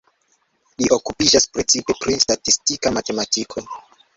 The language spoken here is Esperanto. Li okupiĝas precipe pri statistika matematiko.